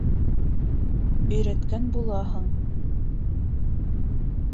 Өйрәткән булаһың.